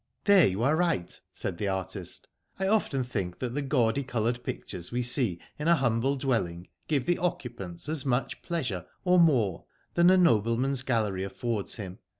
" There you are right," said the artist. " I often think the gaudi coloured pictures we see in a humble dwelling give the occupants as much pleasure, or more than a nobleman's gallery affords him.